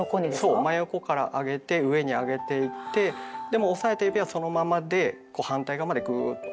そう真横からあげて上にあげていってでも押さえた指はそのままでこう反対側までグーッと。